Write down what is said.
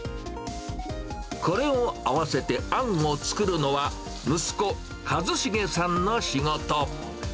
これを合わせてあんを作るのは、息子、一茂さんの仕事。